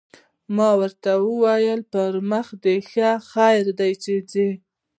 ما ورته وویل: په مخه دې ښه، خیر دی چې ځې.